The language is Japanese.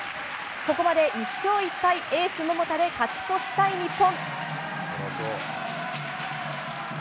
ここまで１勝１敗エース、桃田で勝ち越したい日本。